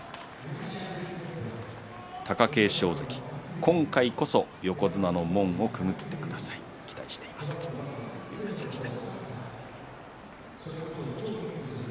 貴景勝関、今回こそ横綱の門をくぐってください期待してます！というメッセージです。